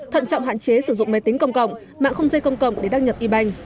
thận trọng hạn chế sử dụng máy tính công cộng mạng không dây công cộng để đăng nhập e bank